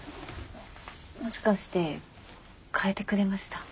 もしかして替えてくれました？